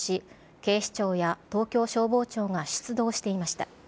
警視庁や東京消防庁が出動していました。